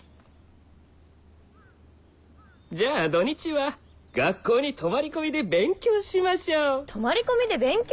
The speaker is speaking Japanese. じゃあ土日は学校に泊まり込みで勉強しましょう泊まり込みで勉強？